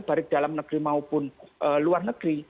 baik dalam negeri maupun luar negeri